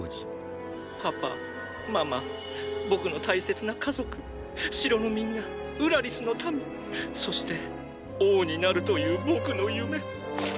パパママ僕の大切な家族城のみんなウラリスの民そして王になるという僕の夢！